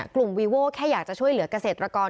วีโว้แค่อยากจะช่วยเหลือกเกษตรกร